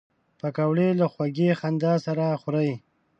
پکورې له خوږې خندا سره خوري